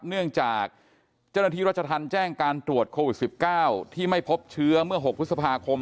เนื่องจากเจ้าหน้าที่รัชธรรมแจ้งการตรวจโควิด๑๙ที่ไม่พบเชื้อเมื่อ๖พฤษภาคม